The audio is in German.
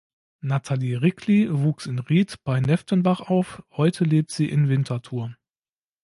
Natalie Rickli wuchs in Riet bei Neftenbach auf, heute lebt sie in Winterthur.